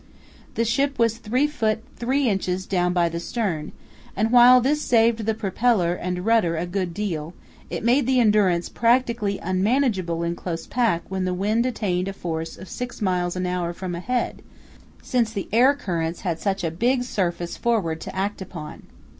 The ship was 3 ft. 3 in. down by the stern, and while this saved the propeller and rudder a good deal, it made the Endurance practically unmanageable in close pack when the wind attained a force of six miles an hour from ahead, since the air currents had such a big surface forward to act upon.